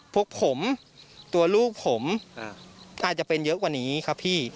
พวกผมตัวลูกผมน่าจะเป็นเยอะกว่านี้ครับพี่